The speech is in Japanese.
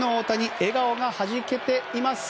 笑顔がはじけています。